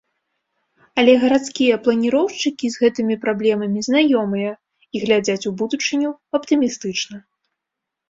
Але гарадскія планіроўшчыкі з гэтымі праблемамі знаёмыя, і глядзяць у будучыню аптымістычна.